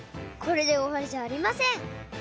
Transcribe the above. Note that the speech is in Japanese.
これでおわりじゃありません！